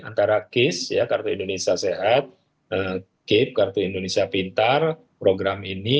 antara kis kartu indonesia sehat kip kartu indonesia pintar program ini